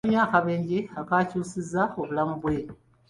Yafunye akabenje akaakyusizza obulamu bwe.